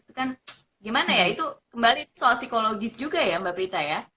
itu kan gimana ya itu kembali soal psikologis juga ya mbak prita ya